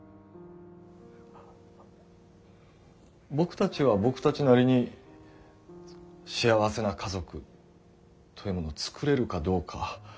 僕たちは僕たちなりに幸せな家族というものをつくれるかどうか試してるんです。